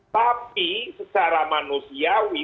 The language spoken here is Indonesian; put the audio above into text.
tapi secara manusiawi